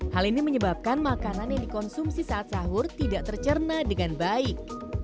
hal ini menyebabkan makanan yang dikonsumsi saat sahur tidak tercerna dengan baik